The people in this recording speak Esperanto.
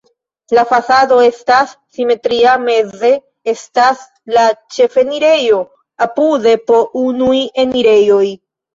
La fasado estas simetria, meze estas la ĉefenirejo, apude po unuj enirejoj.